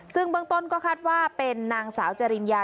ซึ่งเบื้องต้นก็คาดว่าเป็นนางสาวจริญญา